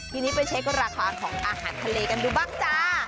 ทีนี้ไปเช็คราคาของอาหารทะเลกันดูบ้างจ้า